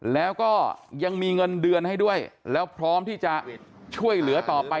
แล้วก็ยังมีเงินเดือนให้ด้วยแล้วพร้อมที่จะช่วยเหลือต่อไป